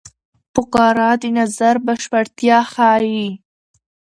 فقره د نظر بشپړتیا ښيي.